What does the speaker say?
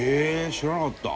知らなかった。